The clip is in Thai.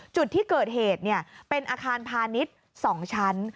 จุดที่เกิดเหตุเป็นอาคารพาณิชย์๒ชั้น